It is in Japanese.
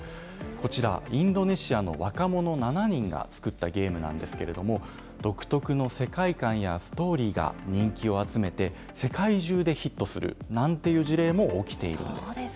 こちら、インドネシアの若者７人が作ったゲームなんですけれども、独特の世界観やストーリーが人気を集めて、世界中でヒットするなんていう事例も起きているんです。